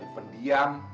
dia jadi pendiam